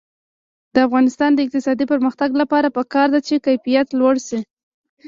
د افغانستان د اقتصادي پرمختګ لپاره پکار ده چې کیفیت لوړ شي.